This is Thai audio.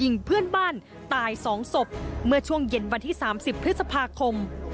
เพื่อนบ้านตายสองศพเมื่อช่วงเย็นวันที่๓๐พฤษภาคม